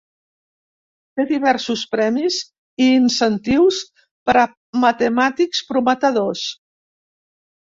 Té diversos premis i incentius per a matemàtics prometedors.